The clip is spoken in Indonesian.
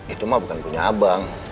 itu mah bukan punya abang